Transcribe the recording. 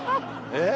えっ？